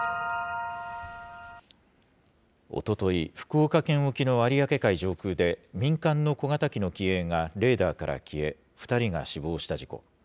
おととい、福岡県沖の有明海上空で民間の小型機の機影がレーダーから消え、２人が死亡した事故。